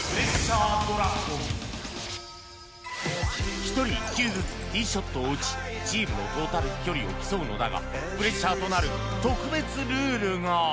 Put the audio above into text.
１人１球ずつティーショットを打ちチームのトータル飛距離を競うのだがプレッシャーとなる特別ルールが